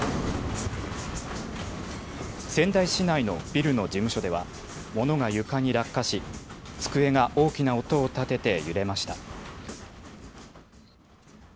仙台市内のビルの事務所では物が床に落下し机が大きな音を立てて揺れました。